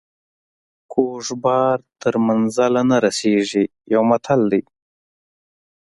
کوږ بار تر منزله نه رسیږي یو متل دی.